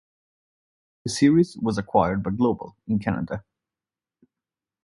The series was acquired by Global in Canada.